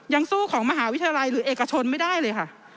ยังสู้ของมหาวิทยาลัยหรือเอกชนไม่ได้เลยค่ะ